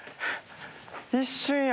一瞬や。